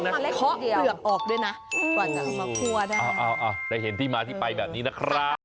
ก็ต้องมาเล็กที่เดียวเกือบออกด้วยนะก่อนจะมาคั่วได้เอาเอาเอาได้เห็นที่มาที่ไปแบบนี้นะครับ